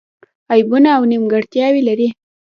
عیبونه او نیمګړتیاوې لري.